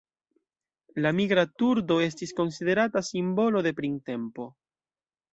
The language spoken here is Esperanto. La Migra turdo estis konsiderata simbolo de printempo.